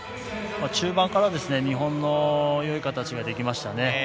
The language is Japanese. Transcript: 中盤から日本のよい形ができましたね。